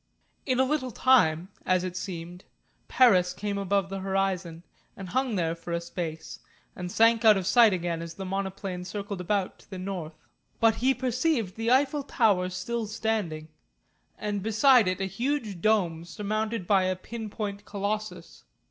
In a little time, as it seemed, Paris came above the horizon, and hung there for a space, and sank out of sight again as the monoplane circled about to the north. But he perceived the Eiffel Tower still standing, and beside it a huge dome surmounted by a pin point Colossus.